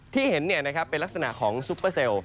ที่เห็นเป็นลักษณะของซุปเปอร์เซลล